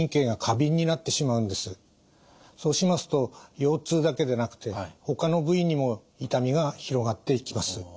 そうしますと腰痛だけでなくてほかの部位にも痛みが広がっていきます。